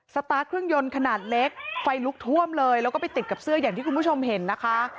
สตาร์ทเครื่องยนต์ขนาดเล็กไฟลุกท่วมเลยแล้วก็ไปติดกับเสื้ออย่างที่คุณผู้ชมเห็นนะคะ